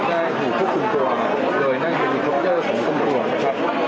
ได้ถูกควบคุมตัวโดยนั่งเฮลิคอปเตอร์ของตำรวจนะครับ